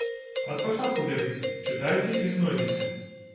Ад пачатку бярыце, чытайце і знойдзеце.